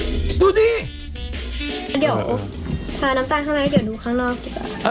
น้ำตาลข้างในดูข้างนอกดีกว่า